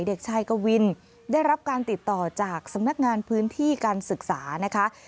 เด็กชายกวินได้รับการติดต่อจากสำนักงานพื้นที่การศึกษานะคะ